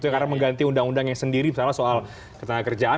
karena mengganti undang undang yang sendiri misalnya soal ketenaga kerjaan